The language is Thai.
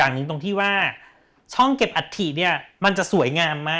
ใส่ชื่อต่าง